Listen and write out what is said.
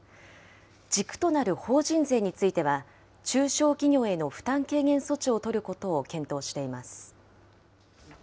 軸となる法人税については、中小企業への負担軽減措置を取ることを検討しています。